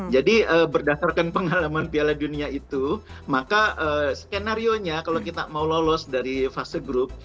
jadi berdasarkan pengalaman piala dunia itu maka skenario nya kalau kita mau lolos dari fase grup